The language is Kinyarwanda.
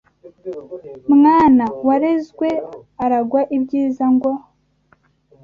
Mwana warezwe aragwa ibyiza ngo